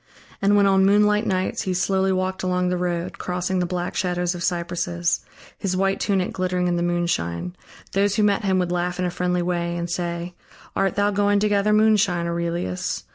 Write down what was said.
And when on moonlit nights he slowly walked along the road, crossing the black shadows of cypresses, his white tunic glittering in the moonshine, those who met him would laugh in a friendly way and say: "Art thou going to gather moonshine, Aurelius?